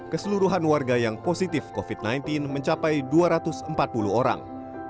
keseluruhan warga yang positif covid sembilan belas mencapai dua ratus empat puluh orang